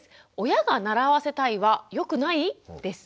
「親が習わせたい」はよくない？です。